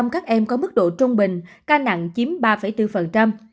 hai mươi tám bảy các em có mức độ trung bình ca nặng chiếm ba bốn